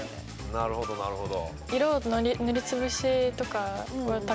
なるほどなるほど。